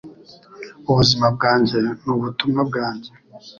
Ubuzima bwanjye nubutumwa bwanjye.